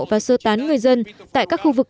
và sơ tán người dân tại các khu vực